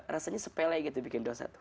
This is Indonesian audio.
rasanya sepele gitu bikin dosa tuh